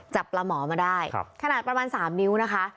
จับปลาหมอมาได้ขนาดประมาณ๓นิ้วนะคะ